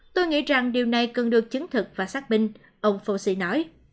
tôi nghĩ rằng điều này cần được chứng thực và xác minh ông fauci nói